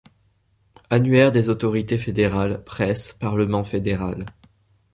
Annuaire des autorités fédérales, presse, Parlement fédéral.